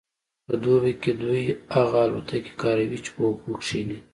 په دوبي کې دوی هغه الوتکې کاروي چې په اوبو کیښني